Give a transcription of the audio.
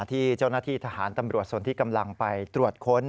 ที่เจ้าหน้าที่ทหารตำรวจส่วนที่กำลังไปตรวจค้น